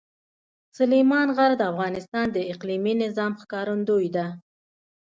سلیمان غر د افغانستان د اقلیمي نظام ښکارندوی ده.